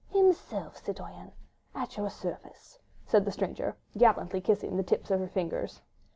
"Himself, citoyenne, at your service," said the stranger, gallantly kissing the tips of her fingers.